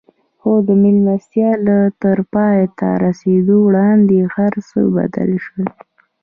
خو د مېلمستيا تر پای ته رسېدو وړاندې هر څه بدل شول.